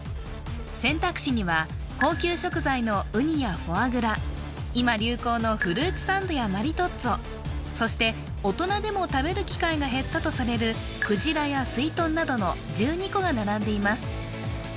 選択肢には高級食材のウニやフォアグラ今流行のフルーツサンドやマリトッツォそして大人でも食べる機会が減ったとされるくじらやすいとんなどの１２個が並んでいます